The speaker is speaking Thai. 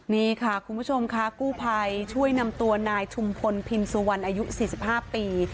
นี่ค่ะคุณผู้ชมค่ะกู้ภัยช่วยนำตัวนายชุมพลพินสุวรรณอายุ๔๕ปี